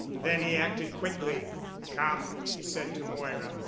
Then he acted quickly. "Come," he said to Moira.